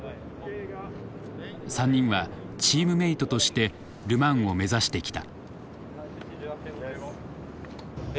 ３人はチームメートとしてル・マンを目指してきた。